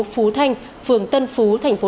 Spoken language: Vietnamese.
phú thanh phường tân phú thành phố